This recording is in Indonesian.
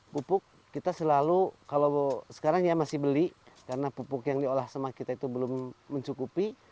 pupuk kita selalu kalau sekarang ya masih beli karena pupuk yang diolah sama kita itu belum mencukupi